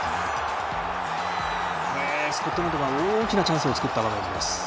スコットランドが大きなチャンスを作った場面です。